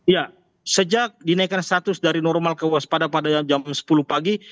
ya sejak dinaikkan status dari normal kewaspadaan pada jam sepuluh pagi